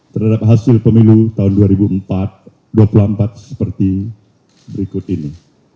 terhadap hasil pemilu tahun dua ribu empat dua ribu dua puluh empat seperti berikut ini